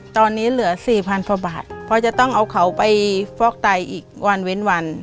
ตอนนี้เหลือสี่พันกว่าบาทเพราะจะต้องเอาเขาไปฟอกไตอีกวันเว้นวัน